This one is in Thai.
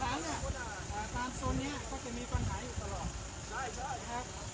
อ่าตามโซนเนี้ยเขาจะมีฟันหายอยู่ตลอดใช่ใช่ครับ